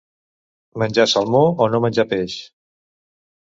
Menjar salmó o no menjar peix.